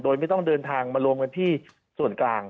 โดยไม่ต้องเดินทางมารวมกันที่ส่วนกลาง